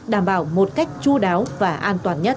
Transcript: đảm bảo một cách chú đáo và an toàn nhất